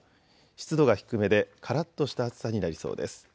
湿度が低めでからっとした暑さになりそうです。